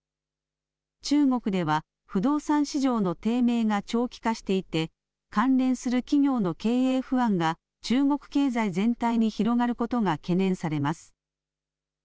中国では不動産市場の低迷が長期化していて関連する企業の経営不安が中国経済全体に広がることが懸念されます。